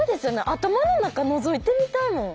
頭の中のぞいてみたいもん。